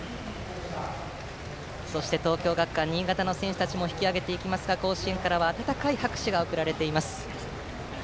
そして、東京学館新潟の選手たちも引き揚げていきますが甲子園からは温かい拍手が送られています。